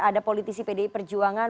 ada politisi pdi perjuangan